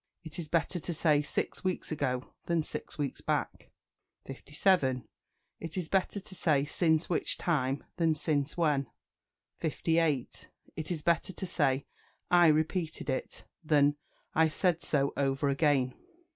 It is better to say "Six weeks ago," than "Six weeks back." 57. It is better to say "Since which time," than "Since when." 58. It is better to say "I repeated it," than "I said so over again."